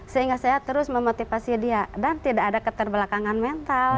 sehingga saya terus memotivasi dia dan tidak ada keterbelakangan mental